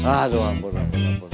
aduh ampun ampun ampun